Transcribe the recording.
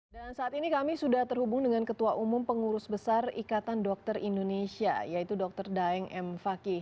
dan saat ini kami sudah terhubung dengan ketua umum pengurus besar ikatan dokter indonesia yaitu dr daeng m fakih